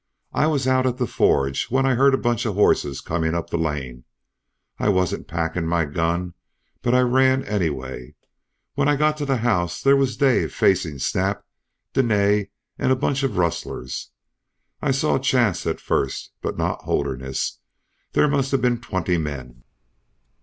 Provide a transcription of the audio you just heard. I was out at the forge when I heard a bunch of horses coming up the lane. I wasn't packing my gun, but I ran anyway. When I got to the house there was Dave facing Snap, Dene, and a bunch of rustlers. I saw Chance at first, but not Holderness. There must have been twenty men.